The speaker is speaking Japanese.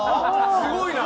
すごいな！